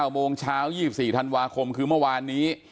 โมงเช้า๒๔ธันวาคมคือเมื่อวานนี้